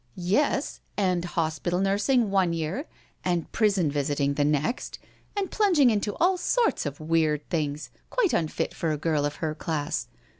" Yes, and hospital nursing one year, and prison visiting the next, and plunging into all sorts of weird things quite unfit for a girl of her class.